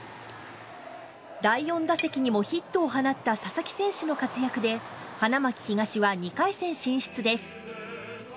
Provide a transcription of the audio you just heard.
第４打席にもヒットを放った佐々木選手の活躍で、花巻東は２回戦進出です。